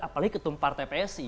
apalagi ketum partai psi